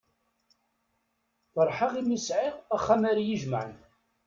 Ferḥeɣ imi sεiɣ axxam ara y-ijemεen.